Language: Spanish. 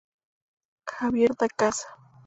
Javier Da Casa.